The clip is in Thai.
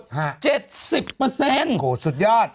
โหสุดยอด